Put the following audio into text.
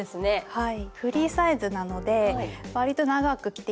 はい。